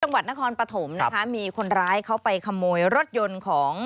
จังหวัดนครปฐมนะคะมีคนร้ายเขาไปขโมยรถยนต์ของ